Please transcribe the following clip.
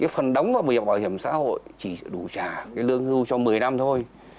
phần đóng vào quỹ bảo hiểm xã hội chỉ đủ trả lương hưu cho một mươi năm thôi